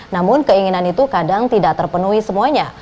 namun keinginan itu kadang tidak terpenuhi semuanya